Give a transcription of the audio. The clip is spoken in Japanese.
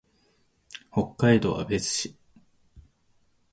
北海道芦別市